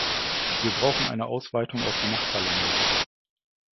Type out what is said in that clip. Wir brauchen eine Ausweitung auf die Nachbarländer.